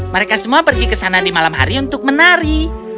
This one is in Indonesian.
mereka semua pergi ke sana di malam hari untuk menari